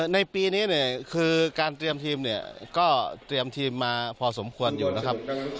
ในปีนี้เนี่ยคือการเตรียมทีมเนี่ยก็เตรียมทีมมาพอสมควรอยู่นะครับ